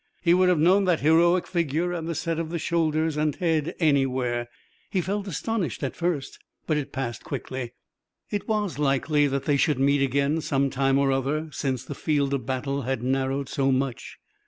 He would have known that heroic figure and the set of the shoulders and head anywhere. He felt astonishment at first, but it passed quickly. It was likely that they should meet again some time or other, since the field of battle had narrowed so much.